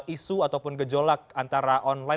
isu ataupun gejolak antara online